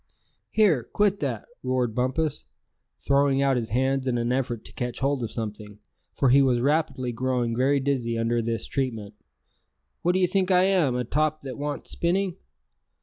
"Here, quit that!" roared Bumpus, throwing out his hands in an effort to catch hold of something, for he was rapidly growing very dizzy under this treatment; "what d'ye think I am, a top that wants spinning?